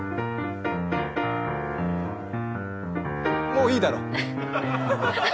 もういいだろう。